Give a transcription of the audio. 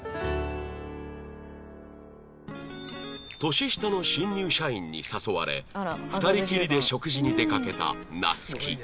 年下の新入社員に誘われ２人きりで食事に出かけた夏希